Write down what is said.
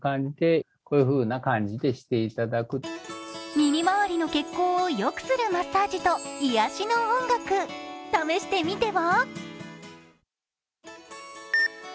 耳まわりの血行をよくするマッサージと癒やしの音楽、試してみては？